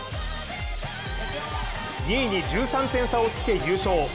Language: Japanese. ２位に１３点差をつけ優勝。